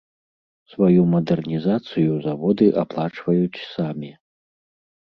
Сваю мадэрнізацыю заводы аплачваюць самі.